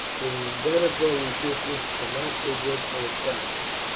It is better for resistance, but not so good for attack.